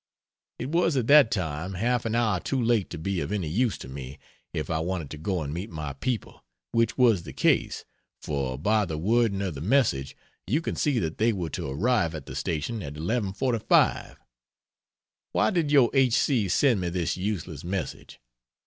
"It was at that time half an hour too late to be of any use to me, if I wanted to go and meet my people which was the case for by the wording of the message you can see that they were to arrive at the station at 11.45. Why did, your h. c. send me this useless message?